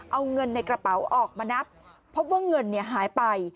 เอาเงินในกระเป๋าออกมานับพบว่าเงินหายไป